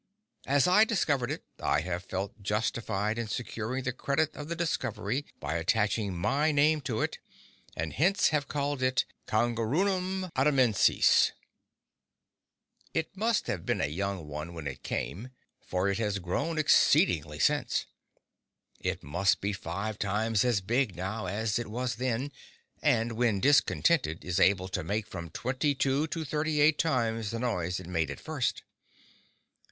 As I discovered it, I have felt justified in securing the credit of the discovery by attaching my name to it, and hence have called it Kangaroorum Adamiensis…. It must have been a young one when it came, for it has grown exceedingly since. It must be five times as big, now, as it was then, and when discontented is able to make from twenty two to thirty eight times the noise it made at first.